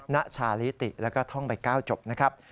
ณชาลิติแล้วก็ท่องไป๙จบนะครับ